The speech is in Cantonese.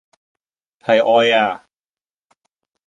係愛呀！